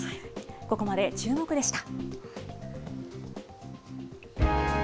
ここまでチューモク！でした。